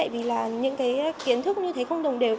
vì những kiến thức như thế không đồng đều